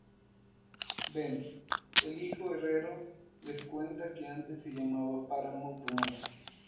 Ben, el viejo herrero, les cuenta que antes se llamaba Páramo Brumoso.